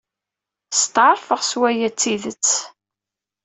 Steɛṛfeɣ s waya d tidet.